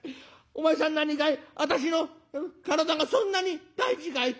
お前さん何かい私の体がそんなに大事かい？」。